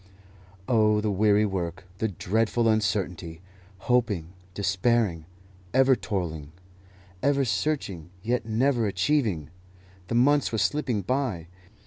Oh, the weary work, the dreadful uncertainty! Hoping, despairing, ever toiling, ever searching, yet never achieving! The months were slipping by.